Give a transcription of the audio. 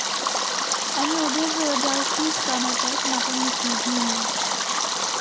Ani objev dalších planetek na tom nic nezměnil.